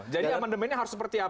jadi amandemennya harus seperti apa